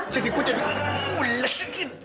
jadi gue jadi mulus